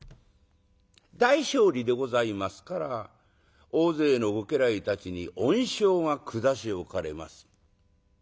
大勝利でございますから大勢のご家来たちに恩賞が下しおかれます。